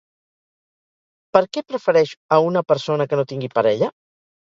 Per què prefereix a una persona que no tingui parella?